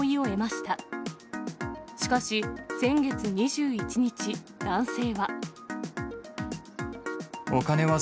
しかし、先月２１日、男性は。